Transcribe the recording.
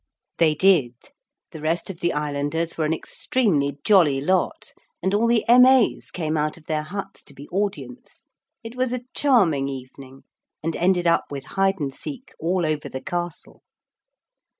They did. The rest of the islanders were an extremely jolly lot, and all the M.A.'s came out of their huts to be audience. It was a charming evening, and ended up with hide and seek all over the castle.